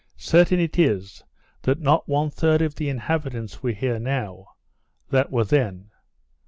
Certain it is, that not one third of the inhabitants were here now, that were then.